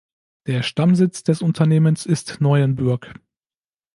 Der Stammsitz des Unternehmens ist Neuenbürg.